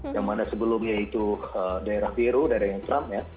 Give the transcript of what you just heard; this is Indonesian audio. yang mana sebelumnya itu daerah biro daerah yang trump ya